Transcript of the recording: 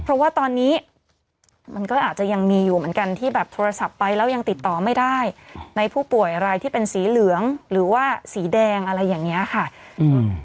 เพราะว่าตอนนี้มันก็อาจจะยังมีอยู่เหมือนกันที่แบบโทรศัพท์ไปแล้วยังติดต่อไม่ได้ในผู้ป่วยอะไรที่เป็นสีเหลืองหรือว่าสีแดงอะไรอย่างเงี้ยค่ะอืม